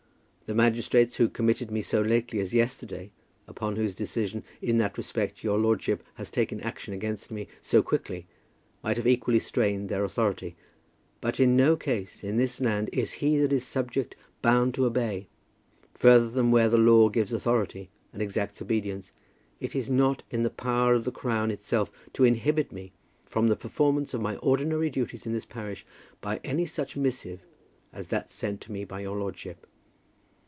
The magistrates who committed me so lately as yesterday, upon whose decision in that respect your lordship has taken action against me so quickly, might have equally strained their authority. But in no case, in this land, is he that is subject bound to obey, further than where the law gives authority and exacts obedience. It is not in the power of the Crown itself to inhibit me from the performance of my ordinary duties in this parish by any such missive as that sent to me by your lordship.